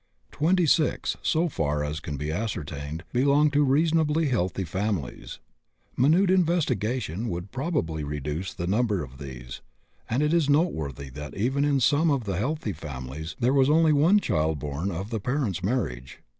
Twenty six, so far as can be ascertained, belong to reasonably healthy families; minute investigation would probably reduce the number of these, and it is noteworthy that even in some of the healthy families there was only one child born of the parents' marriage.